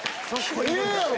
ええやろ！